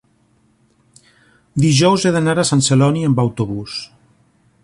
dijous he d'anar a Sant Celoni amb autobús.